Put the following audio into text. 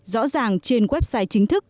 rõ ràng trên website chính thức